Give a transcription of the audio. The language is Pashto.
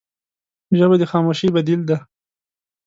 ژبه د خاموشۍ بدیل ده